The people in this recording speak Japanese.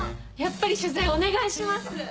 やっぱり取材お願いします。